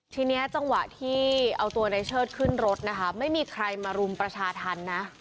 ทีนี้จังหวะที่เอาตัวในเชิดขึ้นรถนะคะไม่มีใครมารุมประชาธรรมนะ